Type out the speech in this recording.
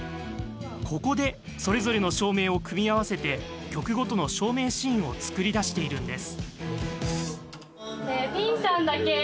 ここでそれぞれの照明を組み合わせて曲ごとの照明シーンを作り出しているんです。